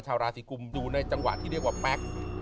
ชาวราศีกุมดูในจังหวะที่เรียกว่าแป๊ก